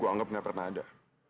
gue anggap gak pernah ada